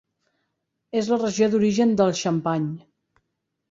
És la regió d'origen del xampany.